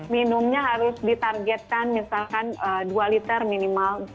minumnya harus ditargetkan misalkan dua liter minimal